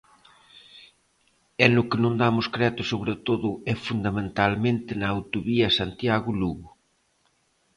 E no que non damos creto sobre todo é fundamentalmente na autovía Santiago-Lugo.